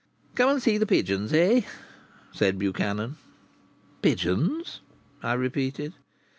"Come and see the pigeons, eh?" said Buchanan. "Pigeons?" I repeated.